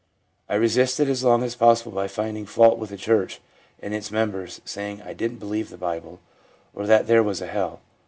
' I resisted as long as possible by finding fault with the church and its members, saying I didn't believe the Bible, or that there was a hell.